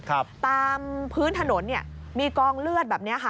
ตามพื้นถนนเนี่ยมีกล้องเลือดแบบนี้ค่ะ